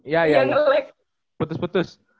ya yang putus putus